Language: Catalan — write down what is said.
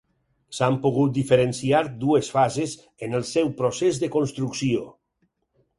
S'han pogut diferenciar dues fases en el seu procés de construcció.